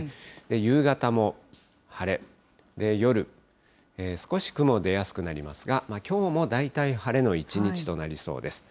夕方も晴れ、夜、少し雲出やすくなりますが、きょうも大体晴れの一日となりそうです。